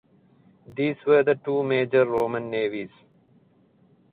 These were the two major Roman navies.